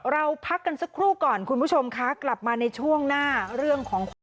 เราพักกันสักครู่ก่อนคุณผู้ชมค่ะกลับมาในช่วงหน้าเรื่องของความ